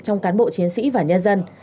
trong cán bộ chiến sĩ và nhân dân